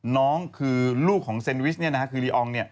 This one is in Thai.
น้องคือลูกของเซนวิชคือรีออง